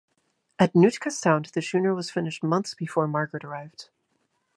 At Nootka Sound the schooner was finished months before "Margaret" arrived.